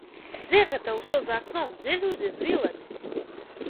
Дзе гэта ўсё за акном, дзе людзі з віламі?